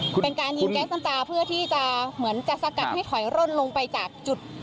เป็นการยิงแก๊สน้ำตาเพื่อที่จะเหมือนจะสกัดให้ถอยร่นลงไปจากจุด